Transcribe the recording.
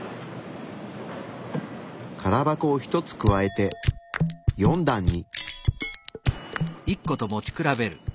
空箱を１つ加えて４段に。